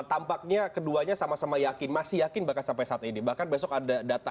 tampaknya keduanya sama sama yakin masih yakin bahkan sampai saat ini bahkan besok ada data